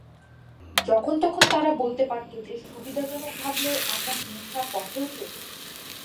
যখন-তখন তারা বলতে পারত যে, সুবিধাজনক ভাবলে আমরা হিংসার পথেও চলি।